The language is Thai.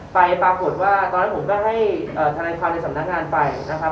ปรากฏว่าตอนนั้นผมก็ให้ทนายความในสำนักงานไปนะครับ